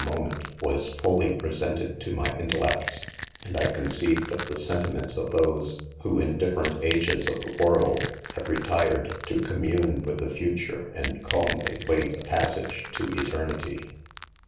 momera, was fully predated to my intellect ; and 1 con ceived of the '"sentiments of those, who iit dif . rfereat ; ages of the world,, have retired to com fflu»e;withthe future, and calmly wait, a pas° sage to eternity.